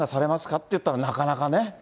っていったら、なかなかね。